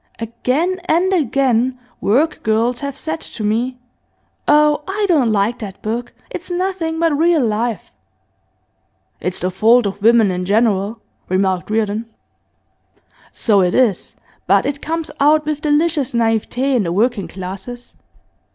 Again and again work girls have said to me: "Oh, I don't like that book; it's nothing but real life."' 'It's the fault of women in general,' remarked Reardon. 'So it is, but it comes out with delicious naivete in the working classes.